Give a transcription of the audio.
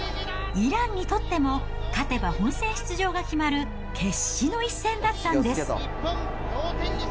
イランにとっても勝てば本選出場が決まる決死の一戦だったんです。